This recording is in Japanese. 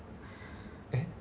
えっ？